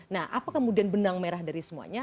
nah apa kemudian benang merah dari semuanya